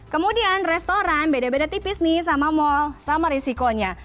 kemudian restoran beda beda tipis nih sama mal sama risikonya